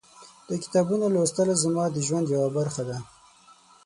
د کتابونو لوستل زما د ژوند یوه برخه ده.